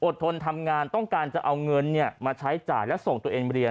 ทนทำงานต้องการจะเอาเงินมาใช้จ่ายและส่งตัวเองเรียน